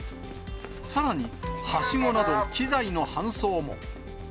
さらに、はしごなど器材の搬送も。